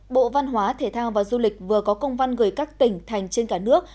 bộ văn hóa thể thao và du lịch vừa có công văn gửi các tỉnh thành trên cả nước